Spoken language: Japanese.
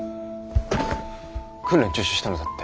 訓練中止したのだって